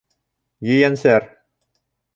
Ейәнсәр.